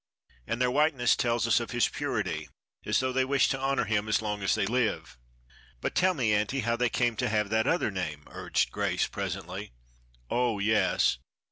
And their whiteness tells us of His purity, as though they wish to honor Him as long as they live." "But tell me, aunty, how they came to have that other name," urged Grace presently. "Oh, yes.